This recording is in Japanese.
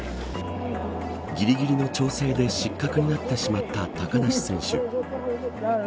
ぎりぎりの調整で失格になってしまった高梨選手。